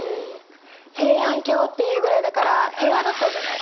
平安京っていうぐらいだから平和だったんじゃない？